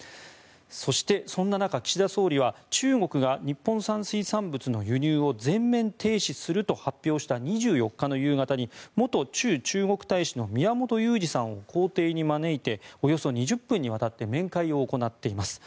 そしてそんな中、岸田総理は中国が日本産水産物の輸入を全面停止すると発表した２４日の夕方に元駐中国大使の宮本雄二さんを公邸に招いておよそ２０分にわたって面会を行っています。